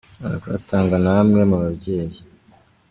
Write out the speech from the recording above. Amakuru atangwa na bamwe mu babyeyi.